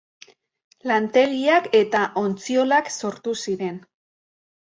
Lantegiak eta ontziolak sortu ziren.